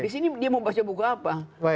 disini dia mau baca buku apa